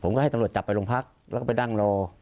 ให้ตำรวจจับไปโรงพักแล้วก็ไปนั่งรอ